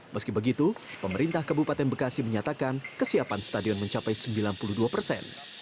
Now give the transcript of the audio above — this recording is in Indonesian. meski begitu pemerintah kabupaten bekasi menyatakan kesiapan stadion mencapai sembilan puluh dua persen